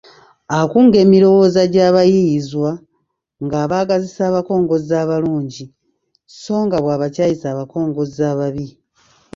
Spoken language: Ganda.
Akunga emirowooza gy’abayiiyizwa ng’abaagazisa abakongozzi abalungi so nga bw’abakyayisa abakongozzi ababi.